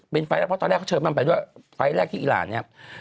เพราะตอนแรกเขาเชิญมันไปด้วยไฟล์แรกที่อีรานนี้ครับ